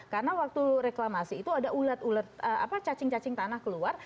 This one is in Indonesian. karena waktu reklamasi itu ada ular ulat cacing cacing tanah keluar